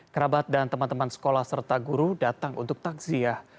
kerabat dan teman teman sekolah serta guru datang untuk takziah